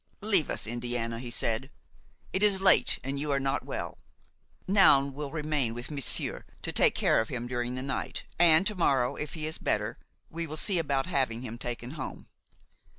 "Leave us, Indiana," he said. "It is late and you are not well. Noun will remain with monsieur to take care of him during the night, and to morrow, if he is better, we will see about having him taken home."